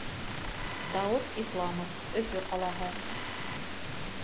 Дауыт ИСЛАМОВ, Өфө ҡалаһы: